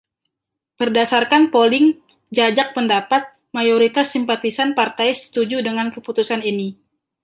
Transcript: Berdasarkan poling jajak pendapat, mayoritas simpatisan partai setuju dengan keputusan ini.